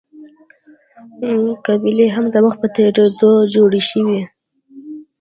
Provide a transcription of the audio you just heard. قبیلې هم د وخت په تېرېدو جوړې شوې.